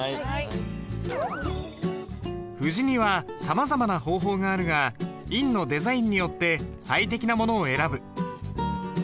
布字にはさまざまな方法があるが印のデザインによって最適なものを選ぶ。